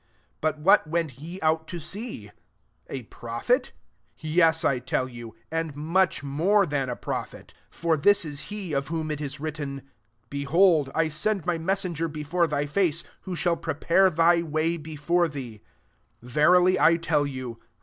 9 But what went ye out to see ? A prophet ? Yes, 1 tell you, and much more than a prophet. 10 For this is he of whom it is written, ' Behold I send my mes senger before thy face, who shall prepare thy way before thee.' 11 Verily I tell you.